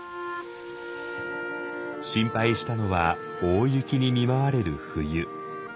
心配したのは大雪に見舞われる冬。